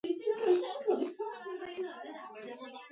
علي د سارې له مینې نه لاس واخیست.